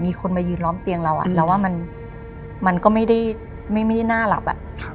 มีคนมายืนล้อมเตียงเราอ่ะเราว่ามันมันก็ไม่ได้ไม่ไม่ได้น่าหลับอ่ะ